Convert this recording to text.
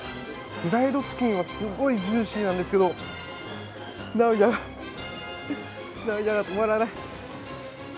フライドチキンはすごいジューシーなんですけど涙が涙が止まらない。